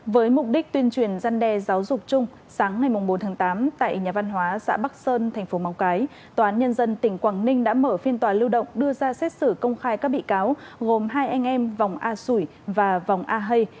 với mục đích tuyên truyền gian đe giáo dục chung sáng ngày bốn tháng tám tại nhà văn hóa xã bắc sơn thành phố móng cái tòa án nhân dân tỉnh quảng ninh đã mở phiên tòa lưu động đưa ra xét xử công khai các bị cáo gồm hai anh em vòng a sủi và vòng a hây